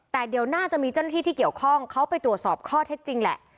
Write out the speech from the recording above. แต่เดี๋ยวน่าจะมีเจ้าหน้าที่ที่เกี่ยวข้องเขาไปตรวจสอบข้อเท็จจริงแหละ